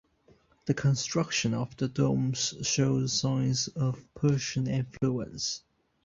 The construction of the domes shows signs of Persian influence.